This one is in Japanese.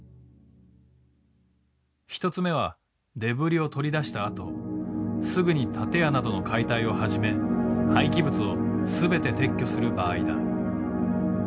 １つ目はデブリを取り出したあとすぐに建屋などの解体を始め廃棄物を全て撤去する場合だ。